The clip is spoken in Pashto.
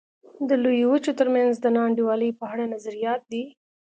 د لویو وچو ترمنځ د نا انډولۍ په اړه نظریات دي.